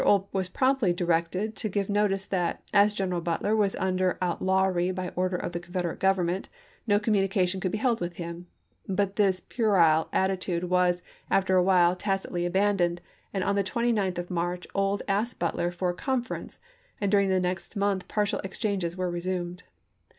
Ould was promptly directed to give notice that, as General Butler was under outlawry by order of the Confederate Government, no com munication could be held with him, but this puerile attitude was, after a while, tacitly abandoned, and lee* on the 29th of March Ould asked Butler for a conference, and during the next month partial exchanges were resumed.